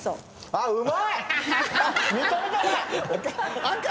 あっうまっ！